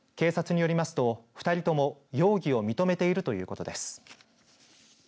警察によりますと２人とも容疑を認めているということです。